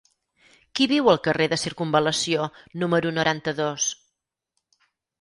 Qui viu al carrer de Circumval·lació número noranta-dos?